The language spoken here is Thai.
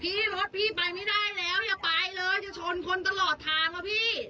พี่รถพี่ไปไม่ได้แล้วอย่าไปเลยจะชนคนตลอดทางนะพี่